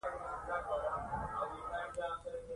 جميلې وويل: فرګي، ته بیخي بې منطقه خبرې کوي.